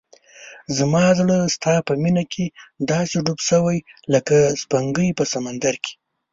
زما زړه ستا په مینه کې داسې ډوب شوی لکه سپوږمۍ په سمندر کې.